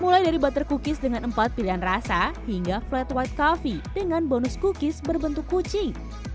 mulai dari butter cookies dengan empat pilihan rasa hingga flat white coffee dengan bonus cookies berbentuk kucing